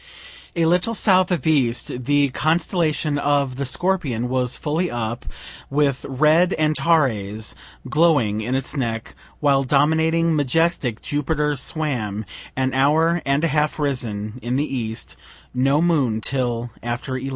A little south of east the constellation of the Scorpion was fully up, with red Antares glowing in its neck; while dominating, majestic Jupiter swam, an hour and a half risen, in the east (no moon till after 11.)